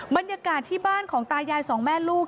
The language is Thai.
บรรยากาศที่บ้านของตายายสองแม่ลูก